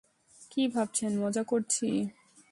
কী ভাবছেন মজা করছি?